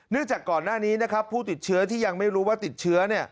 จากก่อนหน้านี้นะครับผู้ติดเชื้อที่ยังไม่รู้ว่าติดเชื้อ